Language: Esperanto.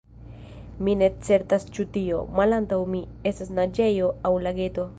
Mi ne certas ĉu tio, malantaŭ mi, estas naĝejo aŭ lageto.